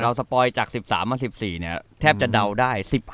เราสปอยจาก๑๓๑๔เนี่ยแทบจะเดาได้